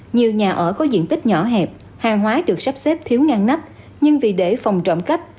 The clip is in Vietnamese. nhiều nhà ở có diện tích nhỏ hẹp hàng hóa được sắp xếp thiếu ngang nắp nhưng vì để phòng trộm cách